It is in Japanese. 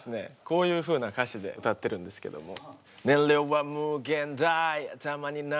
こういうふうな歌詞で歌ってるんですけども。